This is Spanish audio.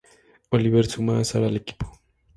Oliver suma a Sara al equipo.